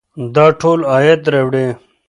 دا ټول عاید راوړي.